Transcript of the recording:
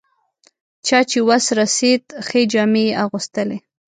چا چې وس رسېد ښې جامې یې اغوستلې.